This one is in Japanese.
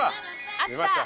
あった！